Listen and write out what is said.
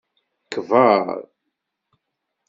Kber.